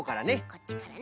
こっちからね。